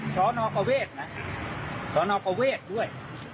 สนประเวทด้วย